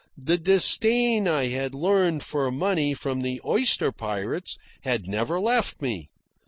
The disdain I had learned for money from the oyster pirates had never left me.